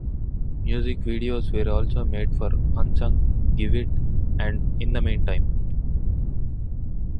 Music videos were also made for "Unsung", "Give It" and "In the Meantime".